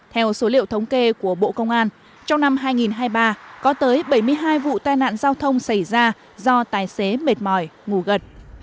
theo số liệu thống kê của bộ công an trong năm hai nghìn hai mươi ba có tới bảy mươi hai vụ tai nạn giao thông xảy ra do tài xế mệt mỏi ngủ gật